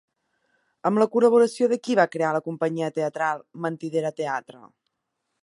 Amb la col·laboració de qui va crear la companyia teatral Mentidera Teatre?